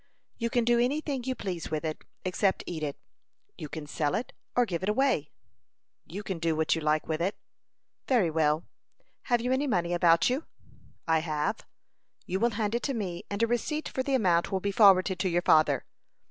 "You can do any thing you please with it, except eat it. You can sell it, or give it away." "You can do what you like with it." "Very well. Have you any money about you?" "I have." "You will hand it to me, and a receipt for the amount will be forwarded to your father."